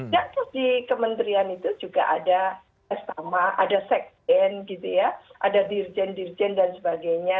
dan terus di kementerian itu juga ada es sama ada sekten gitu ya ada dirjen dirjen dan sebagainya